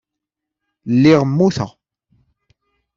Lliɣ mmuteɣ.